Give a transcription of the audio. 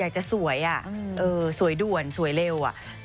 อยากจะสวยสวยด่วนสวยเร็วอะ